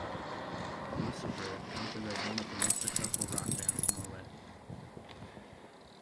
Gluecifer counted as one of the most successful rock bands of Norway.